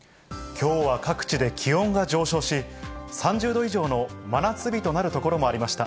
きょうは各地で気温が上昇し、３０度以上の真夏日となる所もありました。